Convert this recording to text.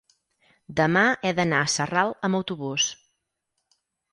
demà he d'anar a Sarral amb autobús.